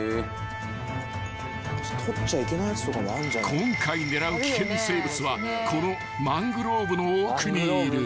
［今回狙う危険生物はこのマングローブの奥にいる］